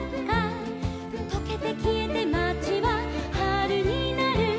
「とけてきえてまちははるになる」